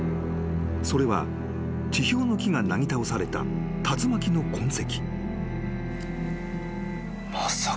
［それは地表の木がなぎ倒された竜巻の痕跡］